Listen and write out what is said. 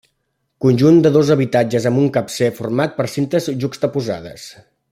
Conjunt de dos habitatges amb un capcer format per cintes juxtaposades.